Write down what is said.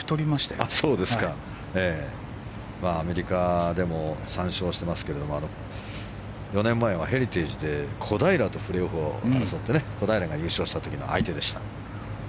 アメリカでも３勝してますけど４年前はヘリテージで小平とプレーオフを争って小平が優勝した時の相手でした。